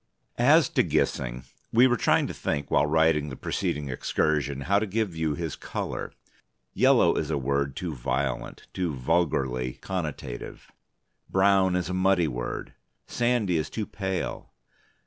As to Gissing: we were trying to think, while writing the preceding excursion, how to give you his colour. Yellow is a word too violent, too vulgarly connotative. Brown is a muddy word. Sandy is too pale.